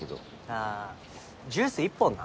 あぁジュース１本な。